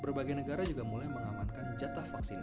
berbagai negara juga mulai mengamankan jatah vaksin